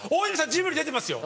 ジブリ出てますよ！